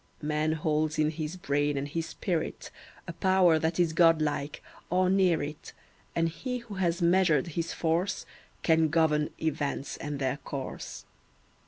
Man holds in his brain and his spirit A power that is God like, or near it, And he who has measured his force Can govern events and their course.